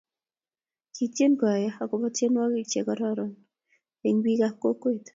Kitien kwaya akobo tienwokik che kororon eng biik ab kokwet